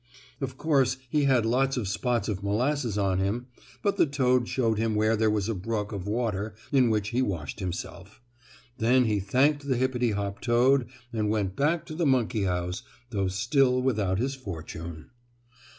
Of course he had lots of spots of molasses on him, but the toad showed him where there was a brook of water in which he washed himself. Then he thanked the hippity hop toad and went back to the monkey house, though still without his fortune.